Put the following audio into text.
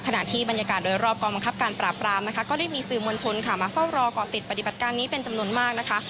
ขณะที่บรรยากาศโดยรอบกองบังคับการปราบรามนะคะก็ได้มีสื่อมวลชนค่ะมาเฝ้ารอก่อติดปฏิบัติการนี้เป็นจำนวนมากนะคะ